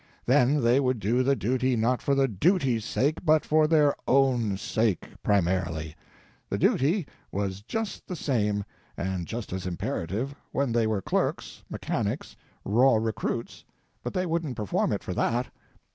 Then they would do the duty not for the duty's sake, but for their _own _sake—primarily. The duty was just the same, and just as imperative, when they were clerks, mechanics, raw recruits, but they wouldn't perform it for that.